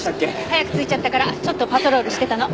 早く着いちゃったからちょっとパトロールしてたの。